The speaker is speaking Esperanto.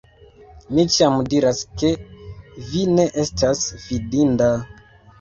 Mi ĉiam diras, ke vi ne estas fidinda!